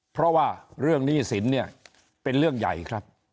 เพราะว่าเรื่องหนี้สินเนี่ยเป็นเรื่องใหญ่ครับ